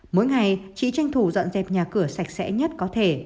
mỗi ngày chị tranh thủ dọn dẹp nhà cửa sạch sẽ nhất có thể